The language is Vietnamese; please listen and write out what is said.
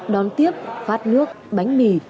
đón tiếp phát nước bánh mì